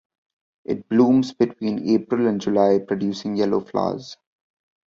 It blooms between April and July producing yellow flowers.